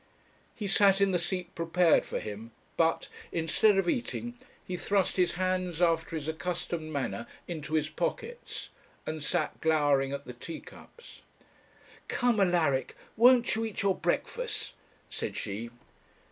He sat in the seat prepared for him, but, instead of eating, he thrust his hands after his accustomed manner into his pockets and sat glowering at the tea cups. 'Come, Alaric, won't you eat your breakfast?' said she.